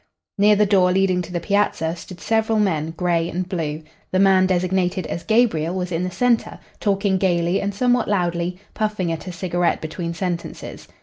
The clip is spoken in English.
Near the door leading to the piazza stood several men, gray and blue. The man designated as Gabriel was in the center, talking gaily and somewhat loudly, puffing at a cigarette between sentences.